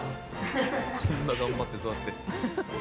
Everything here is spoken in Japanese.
こんな頑張って育てて。